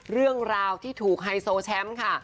เรื่องราวที่ถูกไฮโซแชมป์ค่ะ